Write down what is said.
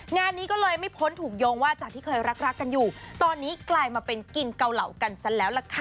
งานนี้ก็เลยไม่พ้นถูกโยงว่าจากที่เคยรักรักกันอยู่ตอนนี้กลายมาเป็นกินเกาเหลากันซะแล้วล่ะค่ะ